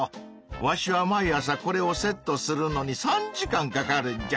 わしは毎朝これをセットするのに３時間かかるんじゃ。